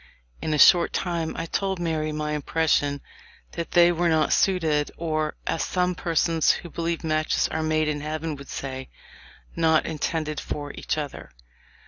In a short time I told Mary my impression that they were not suited, or, as some persons who believe matches are made in heaven would say, not intended for each other."